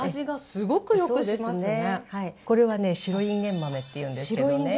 これはね「白いんげん豆」っていうんですけどね。